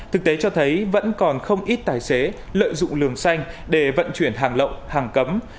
thực tế cho thấy vẫn còn không ít tài xế lợi dụng lường xanh để vận chuyển hàng lộng hàng cấm